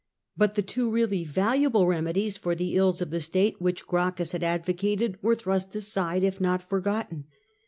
But the two really valuable remedies for the ills of the state which Gracchus had advocated were thrust aside, if not forgotten.